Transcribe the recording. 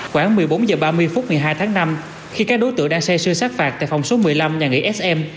khoảng một mươi bốn h ba mươi phút ngày hai tháng năm khi các đối tượng đang xe sư sát phạt tại phòng số một mươi năm nhà nghỉ sm